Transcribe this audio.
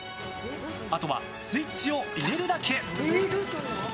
あとはスイッチを入れるだけ。